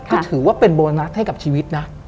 ก็ถือว่าเป็นโบนัสให้กับชีวิตนะ